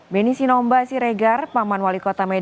beni sinomba siregar paman wali kota medan